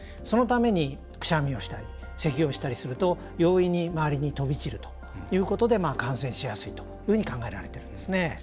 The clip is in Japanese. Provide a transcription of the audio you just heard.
そのために、くしゃみをしたりせきをしたりすると容易に周りに飛び散るということで感染しやすいというふうに考えられているんですね。